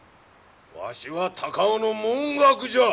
わしは高尾の文覚じゃ！